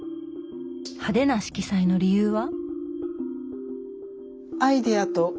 派手な色彩の理由は。